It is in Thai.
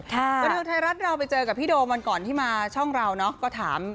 บันเทิงไทยรัฐเราไปเจอกับพี่โดมวันก่อนที่มาช่องเราเนาะก็ถาม